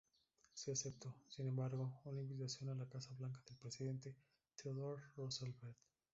Sí aceptó, sin embargo, una invitación a la Casa Blanca del presidente Theodore Roosevelt.